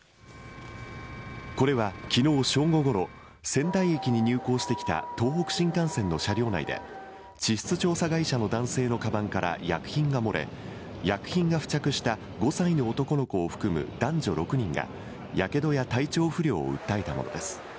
これはきのう正午ごろ、仙台駅に入構してきた東北新幹線の車両内で、地質調査会社の男性のかばんから薬品が漏れ、薬品が付着した５歳の男の子を含む男女６人が、やけどや体調不良を訴えたものです。